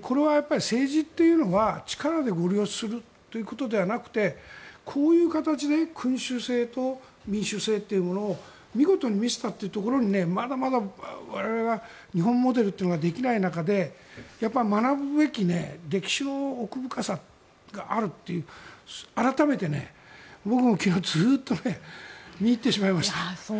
これは政治というのは力でごり押しするということではなくてこういう形で君主制と民主制というものを見事に見せたというところにまだまだ我々日本モデルというのができない中で学ぶべき歴史の奥深さがあるという改めて僕も昨日ずっと見入ってしまいました。